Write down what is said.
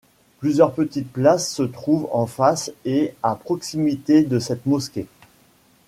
Plusieurs petites places se trouvent en face et à proximité de cette mosquée.